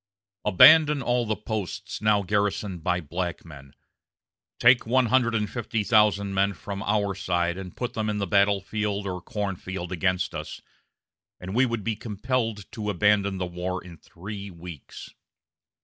Abandon all the posts now garrisoned by black men, take one hundred and fifty thousand men from our side and put them in the battle field or corn field against us, and we would be compelled to abandon the war in three weeks....